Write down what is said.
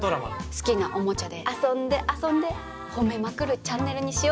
好きなおもちゃで遊んで遊んでほめまくるチャンネルにしようかと。